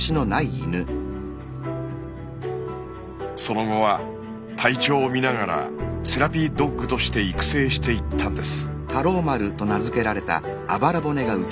その後は体調を見ながらセラピードッグとして育成していったんです。